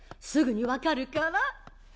すぐに分かるから。